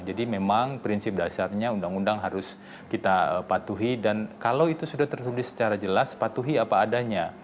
jadi memang prinsip dasarnya undang undang harus kita patuhi dan kalau itu sudah tertulis secara jelas patuhi apa adanya